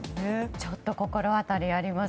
ちょっと心当たりあります。